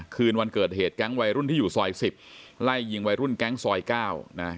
คืนวันเกิดเหตุแก๊งวัยรุ่นที่อยู่ซอย๑๐ไล่ยิงวัยรุ่นแก๊งซอย๙นะ